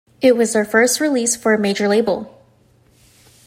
It was their first release for a major label.